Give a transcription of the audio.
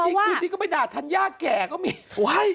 คืนนี้ก็ไปด่าธัญญาแก่ก็มี